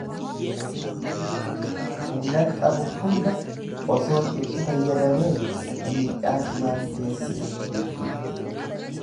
Humnan qabu hunda osoon itti fayyadamee miidhaa cimaan geessisa jechuudha.